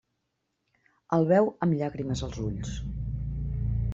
El veu amb llàgrimes als ulls.